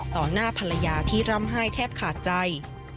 หน้าภรรยาที่ร่ำไห้แทบขาดใจ